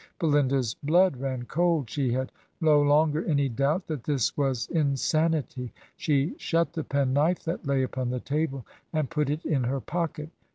... Belinda's blood ran cold — ^she had no longer any doubt that this was insanity. She shut the penknife that lay upon the table, and put it in her pocket.